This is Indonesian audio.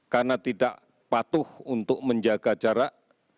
karena tidak patuh untuk menjaga jarak